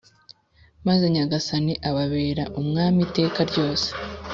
maze Nyagasani ababere umwami iteka ryose.